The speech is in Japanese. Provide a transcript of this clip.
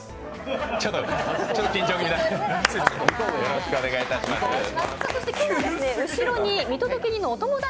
ちょっと緊張気味だ。